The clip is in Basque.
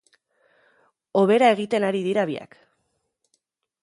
Hobera egiten ari dira biak.